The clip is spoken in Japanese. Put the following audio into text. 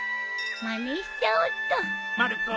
まねしちゃおっと。